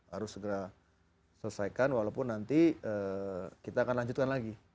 harus segera selesaikan walaupun nanti kita akan lanjutkan lagi